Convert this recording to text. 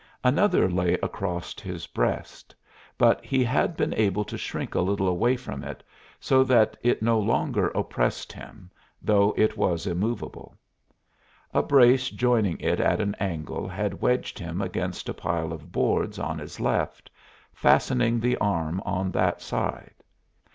Another lay across his breast, but he had been able to shrink a little away from it so that it no longer oppressed him, though it was immovable. A brace joining it at an angle had wedged him against a pile of boards on his left, fastening the arm on that side.